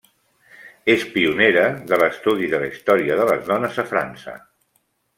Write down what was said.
És pionera de l'estudi de la història de les dones a França.